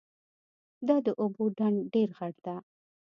دا د اوبو ډنډ ډېر غټ ده